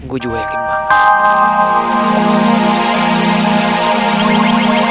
gua juga yakin banget